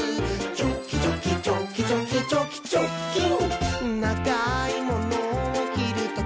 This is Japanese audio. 「チョキチョキチョキチョキチョキチョッキン！」